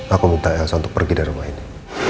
aku minta elsa untuk pergi dari rumah ini